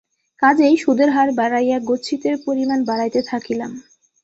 কাজেই সুদের হার বাড়াইয়া গচ্ছিতের পরিমাণ বাড়াইতে থাকিলাম।